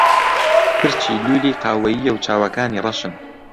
پرچی لوولی قاوەیییە و چاوەکانی ڕەشن.